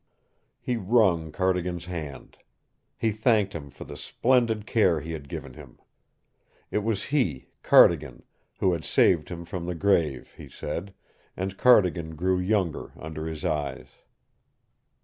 He wrung Cardigan's hand. He thanked him for the splendid care he had given him. It was he, Cardigan, who had saved him from the grave, he said and Cardigan grew younger under his eyes.